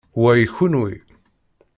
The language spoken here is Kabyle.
Wa i kenwi.